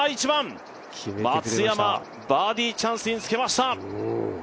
１番、松山、バーディーチャンスにつけました。